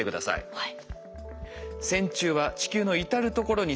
はい。